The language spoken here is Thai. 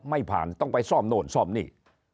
ไม่ผ่านต้องไปซ่อมโน่นซ่อมนี่